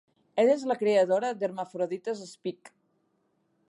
Ella és la creadora d'Hermaphrodites Speak!